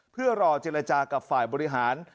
เพื่อรอเจรจากับฝ่ายบริหาร